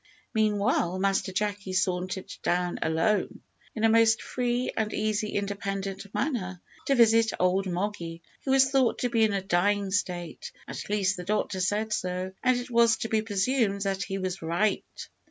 Meanwhile, Master Jacky sauntered down alone, in a most free and easy independent manner, to visit old Moggy, who was thought to be in a dying state at least the doctor said so, and it was to be presumed that he was right.